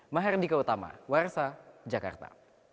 maher dika utama warsa jakarta